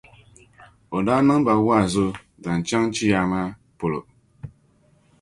O daa niŋ ba wa’azu n-zaŋ chaŋ chiyaama polo.